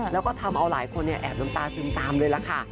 แล้วก็ทำเอาหลายคนแอบน้ำตาซึมตามเลยล่ะค่ะ